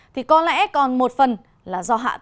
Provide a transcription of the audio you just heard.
thì có lẽ còn một phần là do hạ tầng chưa hợp lý